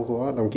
của đồng chí